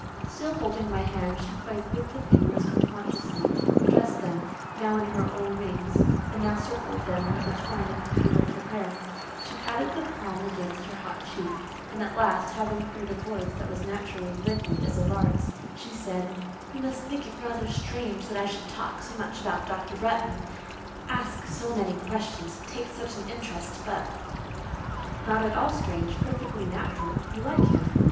Still holding my hand, she played with the fingers unconsciously, dressed them, now in her own rings, and now circled them with a twine of her beautiful hair; she patted the palm against her hot cheek, and at last, having cleared a voice that was naturally liquid as a lark's, she said:— "You must think it rather strange that I should talk so much about Dr. Bretton, ask so many questions, take such an interest, but—". "Not at all strange; perfectly natural; you like him."